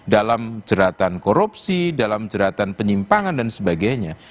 dalam jeratan korupsi dalam jeratan penyimpangan dan sebagainya